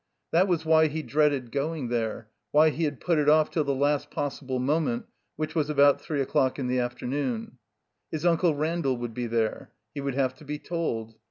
That was why he dreaded going there, why he had put it off till the last possible moment, which was about three o'clock in the afternoon. His Unde Randall would be there. He would have to be told.